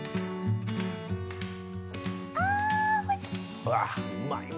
うわっうまいわ。